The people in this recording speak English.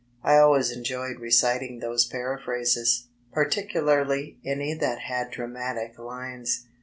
I always enjoyed reciting those paraphrases, par ticularly any that had dramatic lines.